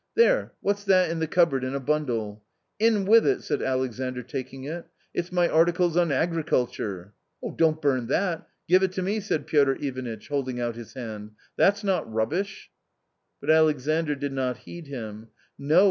There, what's that in the cupboard in a bundle ?"" In with it," said Alexandr, taking it ;" it's my articles on agriculture." " Don't burn that ! give it to me !" said Piotr Ivanitch, holding out his hand, "that's not rubbish." But Alexandr did not heed him. No!"